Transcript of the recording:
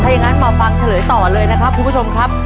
อย่างนั้นมาฟังเฉลยต่อเลยนะครับคุณผู้ชมครับ